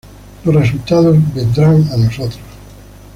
Los resultados vendrán a nosotros.